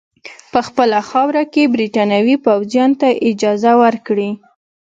په خپله خاوره کې برټانوي پوځیانو ته اجازه ورکړي.